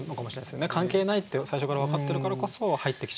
関係ないって最初から分かってるからこそ入ってきちゃうっていう。